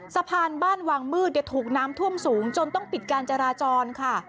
สะพานบ้านวางมืดถูกน้ำท่วมสูงจนต้องปิดการจราจรค่ะ